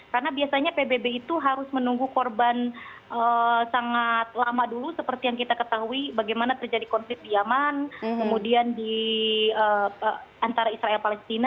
karena biasanya pbb itu harus menunggu korban sangat lama dulu seperti yang kita ketahui bagaimana terjadi konflik di yemen kemudian di antara israel dan palestina